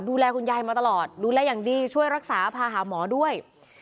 ดูแลคุณยายมาตลอดดูแลอย่างดีช่วยรักษาพาหาหมอด้วย